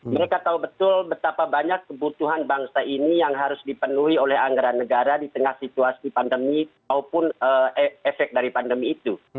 mereka tahu betul betapa banyak kebutuhan bangsa ini yang harus dipenuhi oleh anggaran negara di tengah situasi pandemi maupun efek dari pandemi itu